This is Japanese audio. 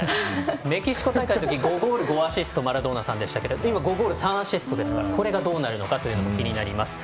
メキシコ大会で５ゴール、５アシストがマラドーナさんですが今、５ゴール３アシストですからこれがどうなるのかも気になります。